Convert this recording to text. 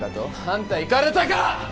あんたイカれたか！？